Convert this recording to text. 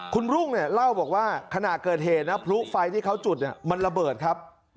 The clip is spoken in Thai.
คุณรุ่งเนี่ยเล่าบอกว่าขณะเกิดเหตุนะพลุไฟที่เขาจุดมันระเบิดครับ